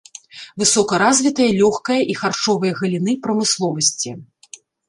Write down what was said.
Высокаразвітыя лёгкая і харчовая галіны прамысловасці.